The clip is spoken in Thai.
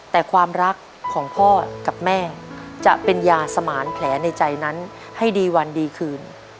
แต่ความรักของพ่อกับแม่จะเป็นยาสมานแผลในใจนั้นให้ดีวันดีคืน